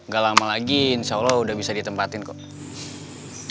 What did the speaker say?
gak lama lagi insya allah udah bisa ditempatin kok